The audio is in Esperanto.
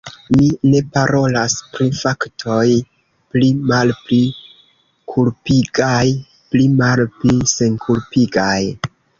Mi ne parolas pri faktoj pli malpli kulpigaj, pli malpli senkulpigaj.